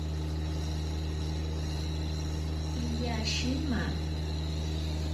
Piya shima.